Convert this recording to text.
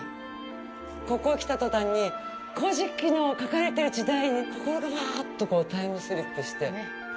ここへ来た途端に古事記の書かれてる時代に心がばあーっとタイムスリップして。